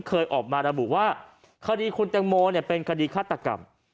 เคยออกมาระบุว่าคดีคุณแตงโมเป็นคดีฆาตกรรม